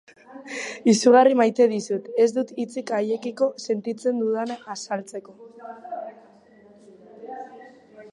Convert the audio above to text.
Izugarri maite ditut, ez dut hitzik haiekiko sentitzen dudana azaltzeko.